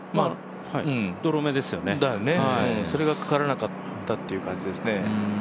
ドロー目ですよね、それがかからなかったという感じですね。